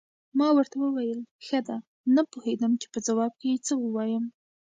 ما ورته وویل: ښه ده، نه پوهېدم چې په ځواب کې یې څه ووایم.